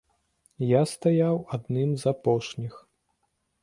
Я стаяў адным з апошніх.